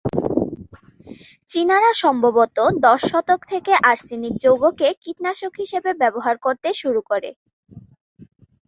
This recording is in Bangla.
চীনারা সম্ভবত দশ শতক থেকে আর্সেনিক যৌগকে কীটনাশক হিসেবে ব্যবহার করতে শুরু করে।